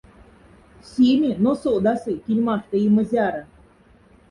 Сими, но содасы кинь мархта и мзяра.